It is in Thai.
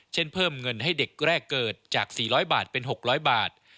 เพิ่มเงินให้เด็กแรกเกิดจาก๔๐๐บาทเป็น๖๐๐บาท